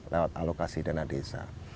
lewat alokasi dana desa